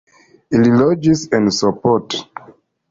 Ili loĝis en Sopot.